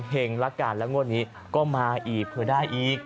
เห่งลักษณ์และงวดนี้ก็มาอีดเผื่อได้อีก